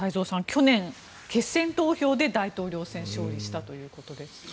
去年、決選投票で大統領選に勝利したということです。